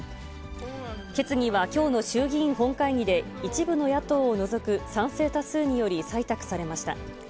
決議はきょうの衆議院本会議で、一部の野党を除く賛成多数により採択されました。